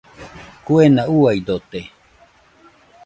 Kuena uaidote.